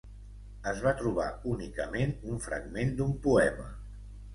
Es va trobar únicament un fragment d'un poema.